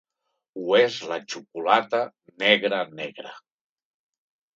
Ho és la xocolata negra negra.